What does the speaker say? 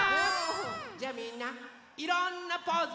じゃみんないろんなポーズをしてね。